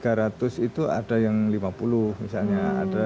tiga ratus itu ada yang lima puluh misalnya